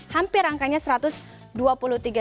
hampir angkanya satu ratus dua puluh tiga